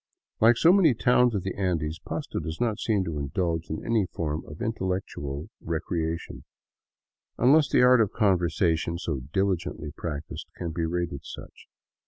Like so many towns of the Andes, Pasto does not seem to indulge in any form of intellectual recreation; unless the art of conversation, so diligently practiced, can be rated such.